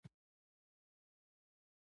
• د زنګ وهلو ږغ د ښوونځي د وقفې پیل ښيي.